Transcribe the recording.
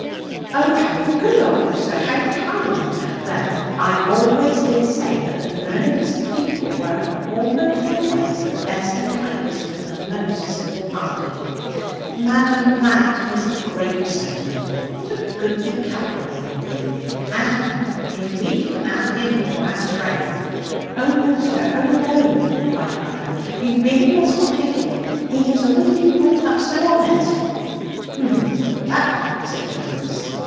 'Oh, how good of you, sir, how kind! Well, I always did say, that the learnedest people were, almost always, the best and kindest, and the most simple hearted.' 'Madam, that is a great sentiment. What a goodly couple they will be! and if we can add him to our strength ' 'Oh no, sir, oh no!' cried mother: 'you really must not think of it. He has always been brought up so honest ' 'Hem! that makes a difference.